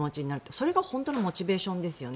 それが本当のモチベーションですよね。